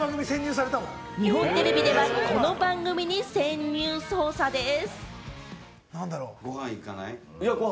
日本テレビではこの番組に潜入捜査です。